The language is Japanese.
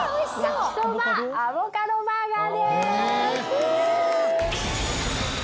焼きそばアボカドバーガー。